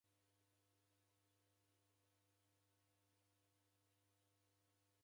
Choo diende mbandenyi.